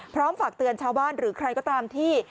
ฝากเตือนชาวบ้านหรือใครก็ตามที่